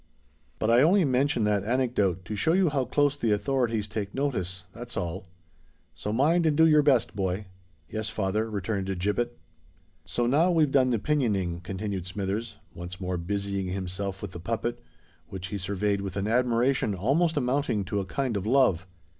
But I only mention that anecdote, to show you how close the authorities take notice—that's all. So mind and do your best, boy." "Yes, father," returned Gibbet. "So now we've done the pinioning," continued Smithers, once more busying himself with the puppet, which he surveyed with an admiration almost amounting to a kind of love.